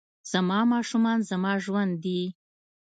زما ماشومان زما ژوند دي